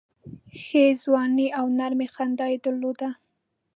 ښې ځواني او نرمي خندا یې درلوده.